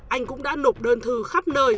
anh cũng đã nộp đơn thư khắp nơi